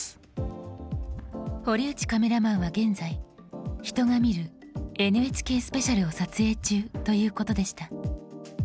堀内カメラマンは現在ヒトが見る「ＮＨＫスペシャル」を撮影中ということでした。